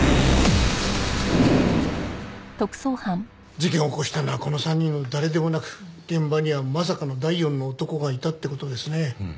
事件を起こしたのはこの３人の誰でもなく現場にはまさかの第４の男がいたって事ですね。